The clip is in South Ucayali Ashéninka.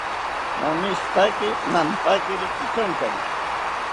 Nomishitaki nantakiri kityonkari